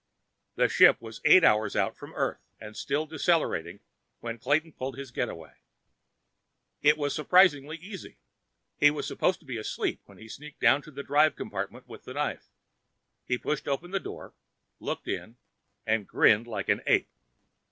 The ship was eight hours out from Earth and still decelerating when Clayton pulled his getaway. It was surprisingly easy. He was supposed to be asleep when he sneaked down to the drive compartment with the knife. He pushed open the door, looked in, and grinned like an ape.